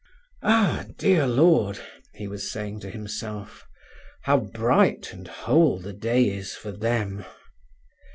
"Ah, dear Lord!" he was saying to himself. "How bright and whole the day is for them!